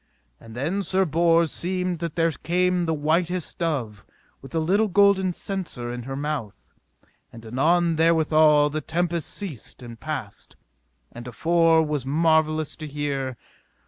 And then Sir Bors seemed that there came the whitest dove with a little golden censer in her mouth. And anon therewithal the tempest ceased and passed, that afore was marvellous to hear.